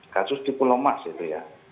kasus di pulau mas itu ya